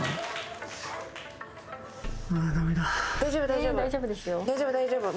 大丈夫大丈夫。